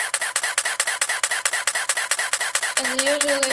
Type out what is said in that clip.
根据其所剪切肽链末端为氨基端或羧基端又可分为氨基肽酶和羧基肽酶。